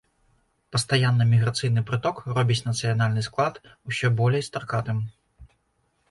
Пастаянны міграцыйны прыток робіць нацыянальны склад усё болей стракатым.